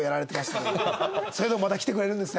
それでもまた来てくれるんですね